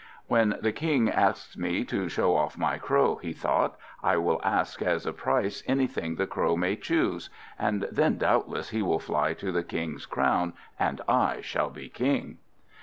"When the King asks me to show off my Crow," he thought, "I will ask as a price anything the Crow may choose; and then doubtless he will fly to the King's crown, and I shall be King!"